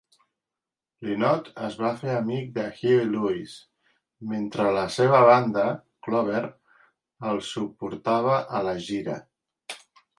Lynott es va fer amic de Huey Lewis mentre la seva banda, Clover, els suportava a la gira.